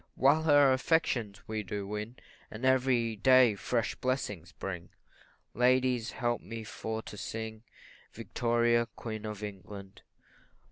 While her affections we do win, And every day fresh blessings bring, Ladies, help me for to sing Victoria, Queen of England.